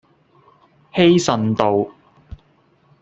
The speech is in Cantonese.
希慎道